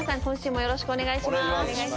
今週もよろしくお願いしまーす。